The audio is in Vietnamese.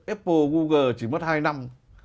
apple google chỉ mất hai năm